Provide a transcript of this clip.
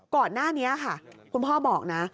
ก่อนหน้านี้ค่ะคุณพ่อบอกนะ